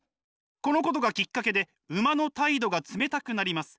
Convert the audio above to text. このことがきっかけで馬の態度が冷たくなります。